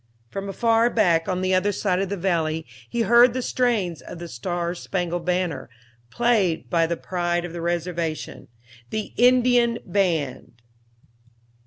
From afar back on the other side of the valley he heard the strains of the "Star Spangled Banner" played by the pride of the Reservation the Indian band!